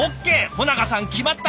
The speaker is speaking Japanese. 保永さん決まった！